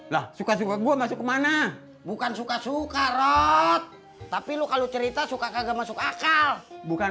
lah suka juga masukemana bukan suka sukarot tapi lu kalau cerita suka enggak masuk akal bukan